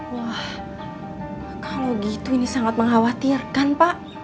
wah kalau gitu ini sangat mengkhawatirkan pak